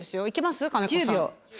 いけます？